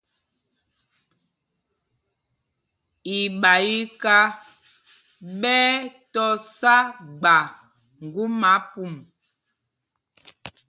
Iɓayiká ɓɛ́ ɛ́ tɔ sá gba ŋgumá pum.